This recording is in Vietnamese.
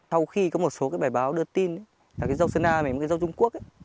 sau khi có một số cái bài báo đưa tin là cái dâu sơn la là một cái dâu trung quốc